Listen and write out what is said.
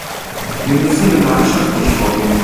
Wir müssen gemeinschaftlich vorgehen.